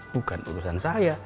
bukan urusan saya